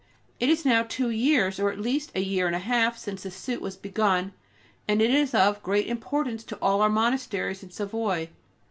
It is now two years, or at least a year and a half, since the suit was begun, and it is of great importance to all our monasteries in Savoy.